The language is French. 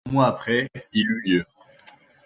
Un mois après, il eut lieu.